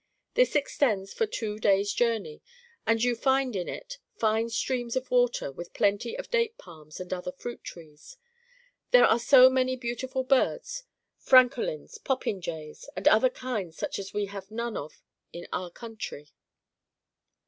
This extends for two days' journey ; and you find in it fine streams of v/ater with plenty of date palms and other fruit trees. There are also many beautiful birds, franco lins, popinjays, and other kinds such as we have none of in our country.